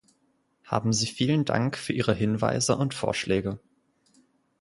Haben Sie vielen Dank für Ihre Hinweise und Vorschläge.